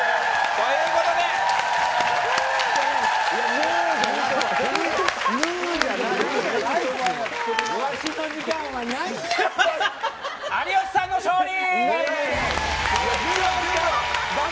ということで有吉さんの勝利！